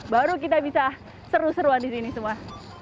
baru kita bisa seru seruan disini semua